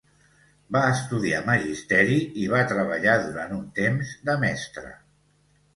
Va estudiar magisteri, i va treballar durant un temps de mestra.